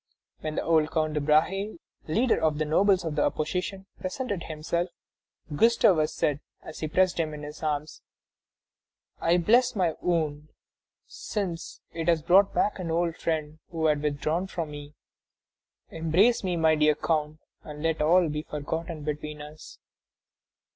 When the old Count de Brahé, leader of the nobles of the opposition, presented himself, Gustavus said, as he pressed him in his arms: "I bless my wound, since it has brought back an old friend who had withdrawn from me. Embrace me, my dear count, and let all be forgotten between us."